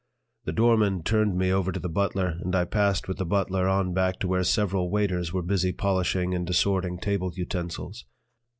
The doorman turned me over to the butler, and I passed with the butler on back to where several waiters were busy polishing and assorting table utensils.